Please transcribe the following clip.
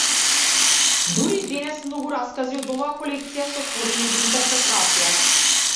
Дури и денес, многу раскази од оваа колекција се отворени за интерпретација.